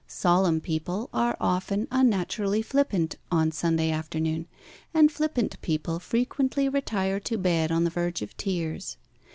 Solemn people are often unnaturally flippant on Sunday afternoon, and flippant people frequently retire to bed on the verge of tears.